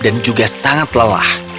dan juga sangat lelah